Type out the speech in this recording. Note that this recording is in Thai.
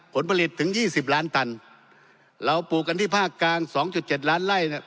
ผลผลิตถึงยี่สิบล้านตันเราปลูกกันที่ภาคกลางสองจุดเจ็ดล้านไล่เนี่ย